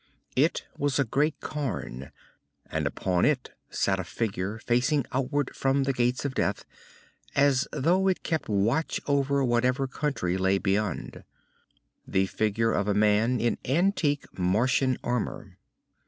It was a great cairn, and upon it sat a figure, facing outward from the Gates of Death as though it kept watch over whatever country lay beyond. The figure of a man in antique Martian armor.